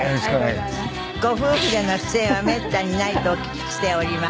ご夫婦での出演はめったにないとお聞きしております。